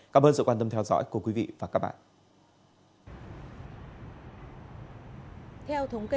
cảm ơn sự quan tâm theo dõi của quý vị và các bạn